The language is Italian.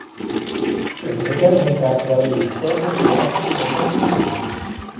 È presente anche un terzo relitto i cui resti sono poco visibili.